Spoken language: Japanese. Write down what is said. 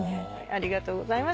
ありがとうございます。